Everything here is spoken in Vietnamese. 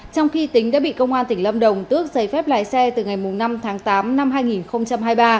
trong khi tính đã bị công an tỉnh lâm đồng tước giấy phép lái xe từ ngày năm tháng tám năm hai nghìn hai mươi ba